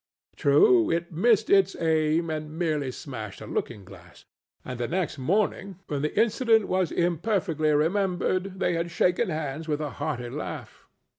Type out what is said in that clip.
True, it missed its aim and merely smashed a looking glass; and the next morning, when the incident was imperfectly remembered, they had shaken hands with a hearty laugh.